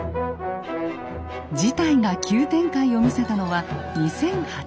事態が急展開を見せたのは２００８年のこと。